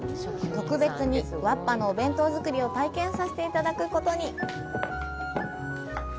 特別に、わっぱのお弁当箱作りを体験させていただくことに！